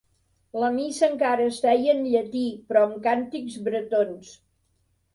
La missa encara es feia en llatí però amb càntics bretons.